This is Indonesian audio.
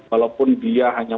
walaupun dia hanya